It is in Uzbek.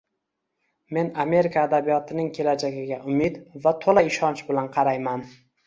Men Amerika adabiyotining kelajagiga umid va to‘la ishonch bilan qarayman